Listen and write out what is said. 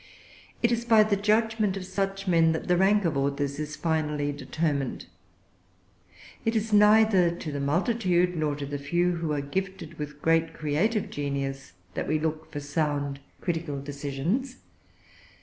It is by the judgment of such men that the rank of authors is finally determined. It is neither to the multitude, nor to the few who are gifted with great creative genius, that we are to look for sound critical decisions.